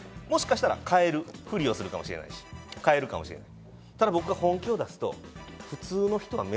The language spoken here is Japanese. もしかしたら変えるフリをするかもしれないし、かえるかもしれない。